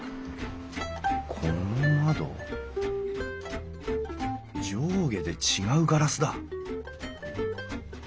この窓上下で違うガラスだ！